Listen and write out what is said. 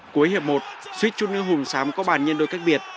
cuối hiệp một suýt chút nước hùng sám có bàn nhân đôi cách biệt